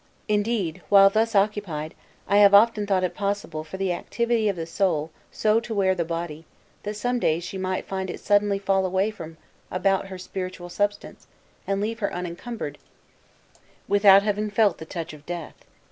Indeed, while thus occupied, I have often thought it possible for the activity of the soul so to wear the body, that some day she might find it suddenly fall away from about her spiritual substance, and leave her unencumbered, without having felt the touch of death.